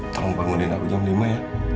tolong panggilin aku jam lima ya